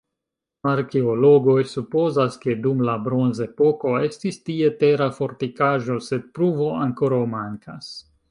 Arkeologoj supozas, ke dum la bronzepoko estis tie tera fortikaĵo, sed pruvo ankoraŭ mankas.